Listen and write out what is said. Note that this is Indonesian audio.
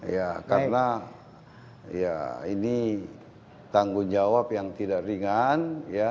ya karena ya ini tanggung jawab yang tidak ringan